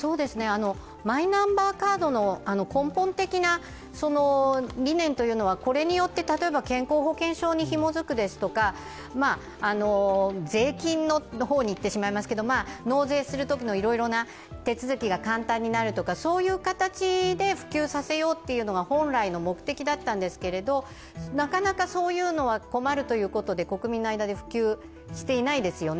マイナンバーカードの根本的な理念は、これによって例えば健康保険証にひもづくですとか税金の方にいってしまいますけれども納税の方のいろいろな手続きが簡単になるとか、そういう形で普及させようというのが本来の目的だったんですけれどなかなかそういうのは困るということで国民の間で普及していないですよね。